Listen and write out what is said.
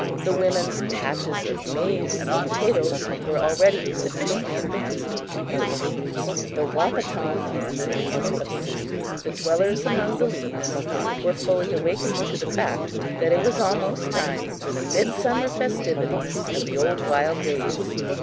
The women's patches of maize and potatoes were already sufficiently advanced to use. The Wahpetonwan band of Sioux, the "Dwellers among the Leaves," were fully awakened to the fact that it was almost time for the midsummer festivities of the old, wild days.